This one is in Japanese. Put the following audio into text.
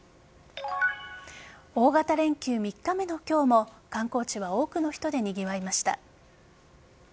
大型連休３日目の今日も観光地は多くの人でにぎわいました。